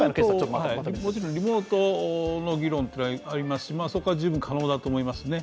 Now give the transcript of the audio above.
もちろんリモートの議論はありますしそこは十分可能だと思いますね。